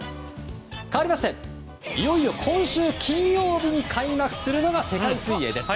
かわりまして、いよいよ今週金曜日に開幕するのが世界水泳です。